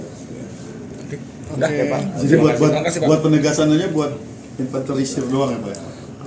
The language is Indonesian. jadi buat penegasan aja buat inventory search doang ya pak